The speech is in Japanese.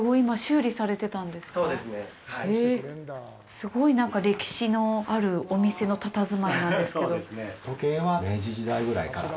すごい、なんか、歴史のあるお店のたたずまいなんですけど。